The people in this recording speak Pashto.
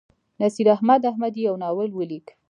نصیراحمد احمدي یو ناول ولیک.